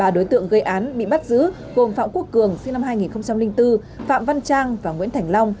ba đối tượng gây án bị bắt giữ gồm phạm quốc cường sinh năm hai nghìn bốn phạm văn trang và nguyễn thành long